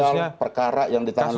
judisial perkara yang ditahan oleh kpk